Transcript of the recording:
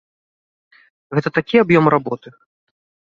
Гэта такі аб'ём работы!